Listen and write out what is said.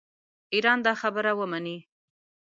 ایران دا خبره ومني.